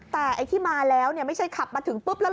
แต่ไอ้ที่มาแล้วเนี่ยไม่ใช่ขับมาถึงปุ๊บแล้ว